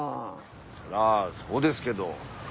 そりゃあそうですけど。